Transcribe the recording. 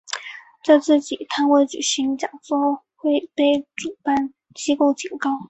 在自己摊位举行讲座会被主办机构警告。